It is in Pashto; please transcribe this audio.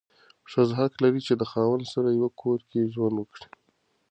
ښځه حق لري چې د خاوند سره یو کور کې ژوند وکړي.